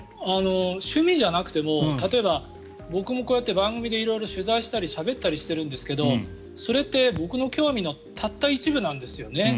趣味じゃなくても例えば、僕もこうやって番組で色々取材したりしゃべったりしてるんですけどそれって僕の興味のたった一部なんですよね。